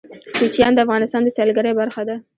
کوچیان د افغانستان د سیلګرۍ برخه ده.